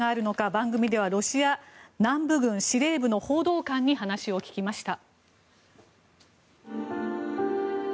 番組ではロシア南部軍司令部の報道官に話を聞きました。